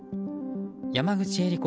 山口恵理子